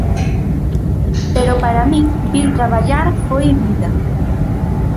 Pero para min vir traballar foi vida.